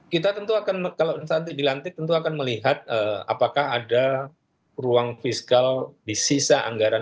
kita tentu akan kalau saat itu dilantik tentu akan melihat apakah ada ruang fiskal di sisa anggaran dua ribu dua puluh